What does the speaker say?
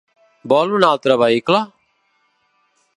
Vol un altre vehicle?